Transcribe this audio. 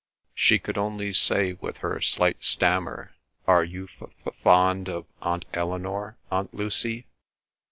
She could only say with her slight stammer, "Are you f f fond of Aunt Eleanor, Aunt Lucy?"